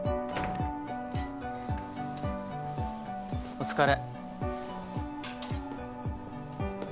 お疲れ。